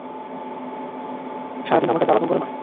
সারাদিন আমাকে জ্বালাতন করে মারে।